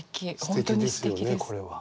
本当にすてきです。